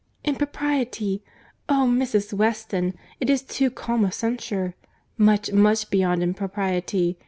"Impropriety! Oh! Mrs. Weston—it is too calm a censure. Much, much beyond impropriety!